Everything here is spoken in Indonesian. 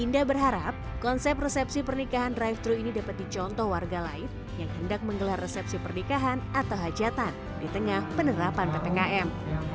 indah berharap konsep resepsi pernikahan drive thru ini dapat dicontoh warga lain yang hendak menggelar resepsi pernikahan atau hajatan di tengah penerapan ppkm